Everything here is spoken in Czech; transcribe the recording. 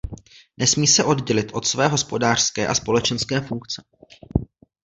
Nesmí se oddělit od své hospodářské a společenské funkce.